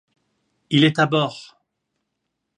Il est à bord!